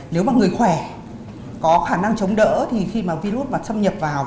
nếu mà người khỏe có khả năng chống đỡ thì khi mà virus mà xâm nhập vào